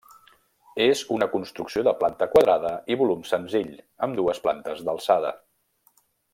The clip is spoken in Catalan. És una construcció de planta quadrada i volum senzill, amb dues plantes d’alçada.